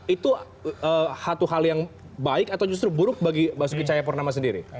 itu satu hal yang baik atau justru buruk bagi pak sukicaya purnama sendiri